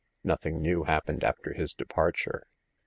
Nothing new happened after his departure.